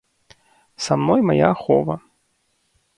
Са мной мая ахова.